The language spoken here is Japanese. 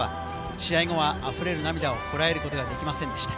試合後はあふれる涙をこらえることができませんでした。